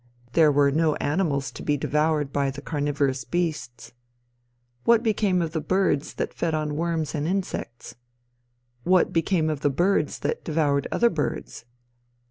There were no animals to be devoured by the carnivorous beasts. What became of the birds that fed on worms and insects? What became of the birds that devoured other birds?